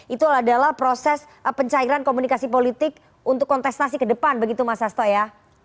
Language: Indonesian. itu adalah proses pencairan komunikasi politik untuk kontestasi ke depan begitu mas hasto ya